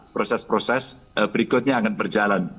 proses proses berikutnya akan berjalan